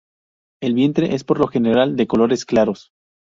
El vientre es, por lo general, de colores claros.